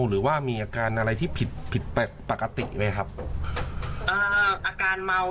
หรือว่ามีอาการอะไรที่ผิดผิดปกติไหมครับเอ่ออาการเมา